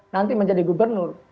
nanti menjadi gubernur